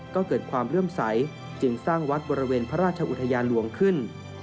ก็เกิดความเลื่อมใสจึงสร้างวัดบริเวณพระราชอุทยานหลวงขึ้น